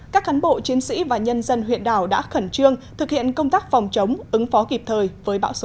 các cán bộ chiến sĩ và nhân dân huyện đảo đã khẩn trương thực hiện công tác phòng chống ứng phó kịp thời với bão số sáu